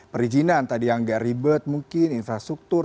perizinan tadi yang agak ribet mungkin infrastruktur